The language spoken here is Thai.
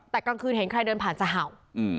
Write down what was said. แต่กลางคืนเห็นใครเดินผ่านจะเห่า